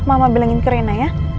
mama bilangin ke rena ya